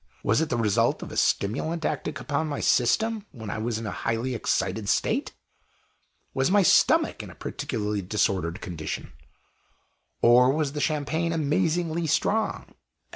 Was it the result of a stimulant acting upon my system when I was in a highly excited state? Was my stomach in a particularly disordered condition? Or was the Champagne amazingly strong?